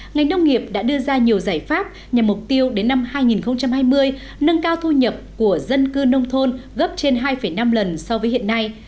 ngành nông nghiệp đã đưa ra nhiều giải pháp nhằm mục tiêu đến năm hai nghìn hai mươi nâng cao thu nhập của dân cư nông thôn gấp trên hai năm lần so với hiện nay